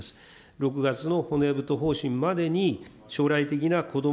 ６月の骨太方針までに、将来的なこども・